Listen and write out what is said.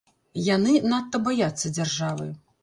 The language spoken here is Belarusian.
Яны надта баяцца дзяржавы.